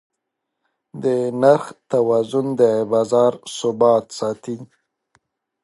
د نرخ توازن د بازار ثبات ساتي.